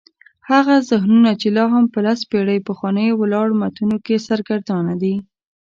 هغه ذهنونه چې لا هم په لس پېړۍ پخوانیو ولاړو متونو کې سرګردانه دي.